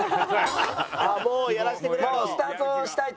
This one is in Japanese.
ああもうやらせてくれと。